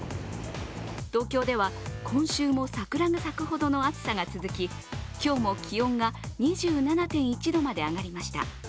東京では今週も桜が咲くほどの暑さが続き今日も気温が２７．１度まで上がりました。